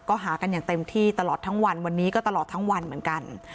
ก็หากันอย่างเต็มที่ตลอดทั้งวันวันนี้ก็ตลอดทั้งวันเหมือนกัน